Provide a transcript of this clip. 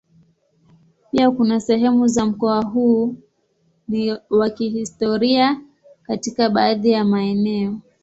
Pia kuna sehemu za mkoa huu ni wa kihistoria katika baadhi ya maeneo.